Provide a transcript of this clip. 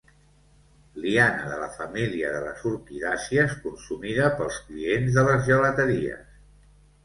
Liana de la família de les orquidàcies consumida pels clients de les gelateries.